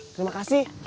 iya terima kasih